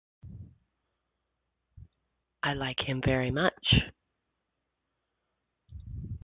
I like him very much.